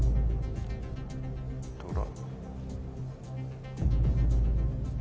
ドラ。